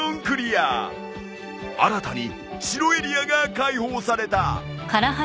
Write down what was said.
新たに城エリアが開放された。